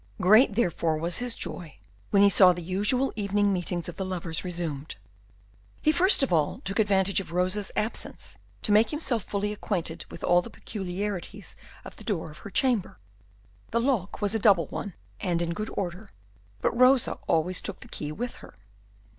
Great therefore was his joy when he saw the usual evening meetings of the lovers resumed. He first of all took advantage of Rosa's absence to make himself fully acquainted with all the peculiarities of the door of her chamber. The lock was a double one and in good order, but Rosa always took the key with her.